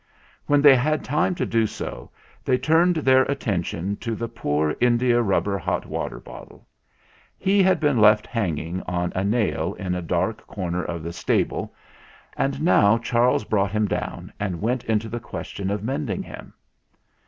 When they had time to do so, they turned their attention to the poor india rubber hot water bottle. He had been left hanging on a nail in a dark corner of the stable, and now Charles brought him down and went into the question of mending him.